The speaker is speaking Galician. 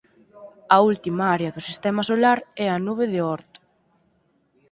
A última área do Sistema Solar é a nube de Oort.